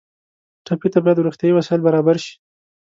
ټپي ته باید روغتیایي وسایل برابر شي.